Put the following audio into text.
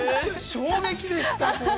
◆衝撃でした。